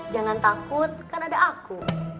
jangan takut kan ada aku